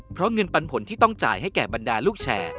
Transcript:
เพราะเงินปันผลที่ต้องจ่ายให้แก่บรรดาลูกแชร์